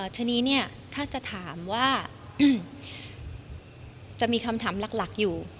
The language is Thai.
ทีนี้เนี่ยถ้าจะถามว่าจะมีคำถามหลักอยู่